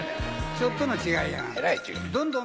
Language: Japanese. ちょっとの違いやん。